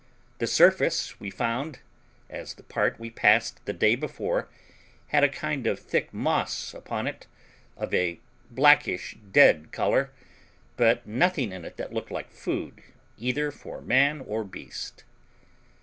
The surface we found, as the part we passed the day before, had a kind of thick moss upon it, of a blackish dead colour, but nothing in it that looked like food, either for man or beast.